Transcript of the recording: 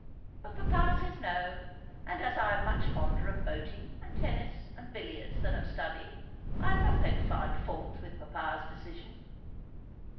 But papa says no, and, as I am much fonder of boating and tennis and billiards than of study, I am not going to find fault with papa's decision.'